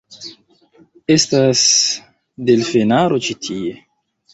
Estas... delfenaro ĉi tie.